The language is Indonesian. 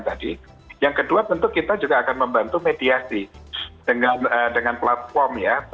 tadi yang kedua tentu kita juga akan membantu mediasi dengan platform ya